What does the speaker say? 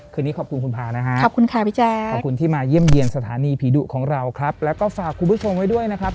ขอบคุณที่มาเยี่ยมเยี่ยมสถานีผีดุของเราครับแล้วก็ฝากคุณผู้ชมไว้ด้วยนะครับ